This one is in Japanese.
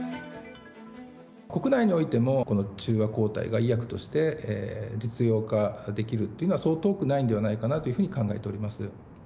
国内においても、この中和抗体が医薬として、実用化できるというのは、そう遠くないんではないかなというふうに考えております。